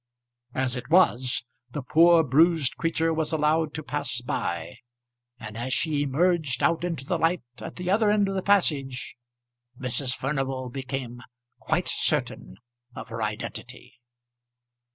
As it was, the poor bruised creature was allowed to pass by, and as she emerged out into the light at the other end of the passage Mrs. Furnival became quite certain of her identity.